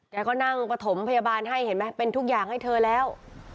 ก็นั่งประถมพยาบาลให้เห็นไหมเป็นทุกอย่างให้เธอแล้ว